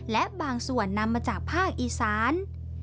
และบางส่วนนำมาจากภาคอีสาน